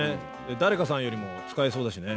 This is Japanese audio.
誰かさんよりも使えそうだしね。